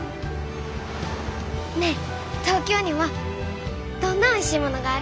ねえ東京にはどんなおいしいものがある？